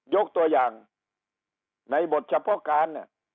ยกตัวอย่างในบทเฉพาะการ